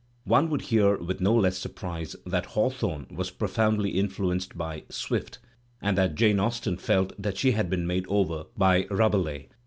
One would hear with no less surprise that Hawthorne was profoundly influenced by Swift or that Jane Austen felt that she had been made over by Rabelais.